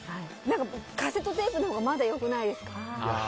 カセットテープのほうがまだ良くないですか。